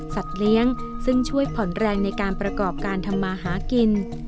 เลี้ยงซึ่งช่วยผ่อนแรงในการประกอบการทำมาหากิน